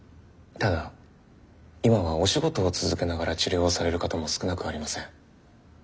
ただ今はお仕事を続けながら治療をされる方も少なくありません。